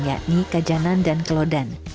yakni kajanan dan kelodan